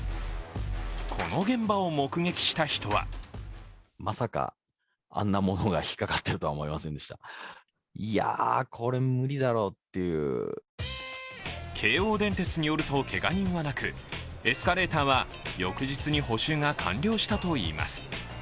この現場を目撃した人は京王電鉄によると、けが人はなくエスカレーターは翌日に補修が完了したといいます。